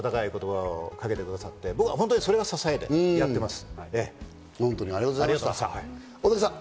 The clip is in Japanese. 今もなお温かい言葉をかけてくださって、僕は本当にそれが支えでやってます。